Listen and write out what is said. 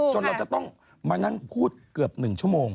เราจะต้องมานั่งพูดเกือบ๑ชั่วโมง